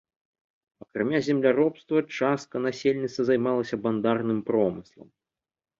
Акрамя земляробства частка насельніцтва займалася бандарным промыслам.